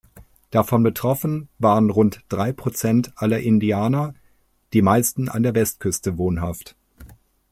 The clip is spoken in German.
Davon betroffen waren rund drei Prozent aller Indianer, die meisten an der Westküste wohnhaft.